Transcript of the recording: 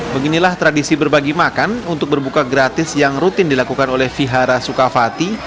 beginilah tradisi berbagi makan untuk berbuka gratis yang rutin dilakukan oleh vihara sukavati